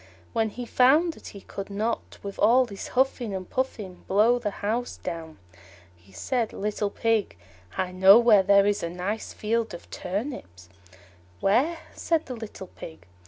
When he found that he could not, with all his huffing and puffing, blow the house down, he said, "Little Pig, I know where there is a nice field of turnips." "Where?" said the little Pig.